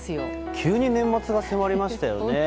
急に年末が迫りましたよね。